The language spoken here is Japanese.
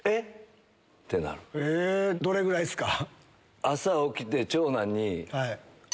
どれぐらいっすか？